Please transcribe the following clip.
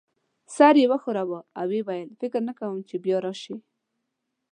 سر یې وښوراوه او ويې ویل: فکر نه کوم چي بیا راشې.